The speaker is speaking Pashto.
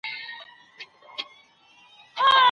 له پردي کس سره خلوت کول ولي نافرماني ده؟